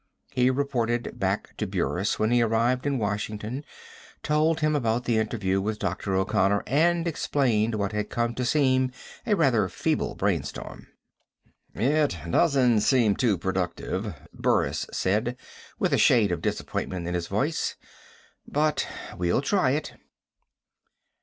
He reported back to Burris when he arrived in Washington, told him about the interview with Dr. O'Connor, and explained what had come to seem a rather feeble brainstorm. "It doesn't seem too productive," Burris said, with a shade of disappointment in his voice, "but we'll try it."